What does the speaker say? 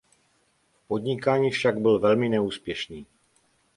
V podnikání však byl velmi neúspěšný.